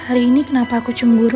hari ini kenapa aku cemburu